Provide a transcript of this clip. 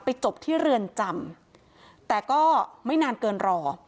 จบที่เรือนจำแต่ก็ไม่นานเกินรอ